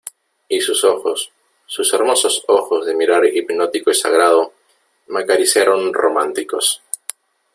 y sus ojos , sus hermosos ojos de mirar hipnótico y sagrado , me acariciaron románticos .